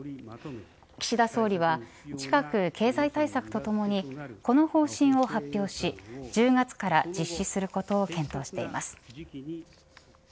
岸田総理は近く経済対策とともにこの方針を発表し１０月から実施することを検討しています。